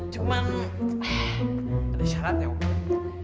cuman ada syaratnya om